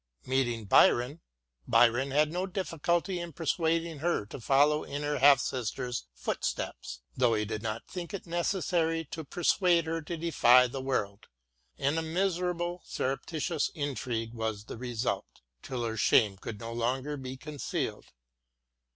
Meeting Byron, Byron had no difficulty in persuading her to follow in her half sister's footsteps, though he did not think it necessary to persuade her to defy the world, and a miserable surreptitious intrigue was the result, tiU her shame could no longer be concealed.